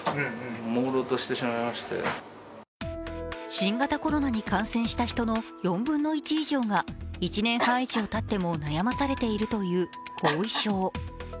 新型コロナに感染した人の４分の１以上が１年半以上たっても悩まされているという後遺症。